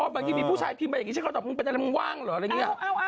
อ๋อบางทีมีผู้ชายผิมไปอย่างงี้ฉันก็ตอบลูกนี่เป็นไรมึงว่างหรืออะไรนี่